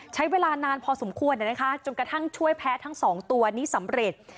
ใช้เวลานานพอสมควรจนกระทั่งช่วยแพ้ทั้งสองตัวนี้สำเร็จ